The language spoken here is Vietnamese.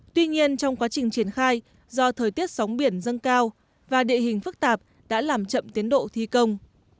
tuy nhiên trong quá trình triển khai do thời tiết sóng biển dâng cao và địa hình phức tạp đã làm chậm tiến độ thi công